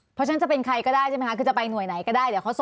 เพราะฉะนั้นจะเป็นใครก็ได้ใช่ไหมคะ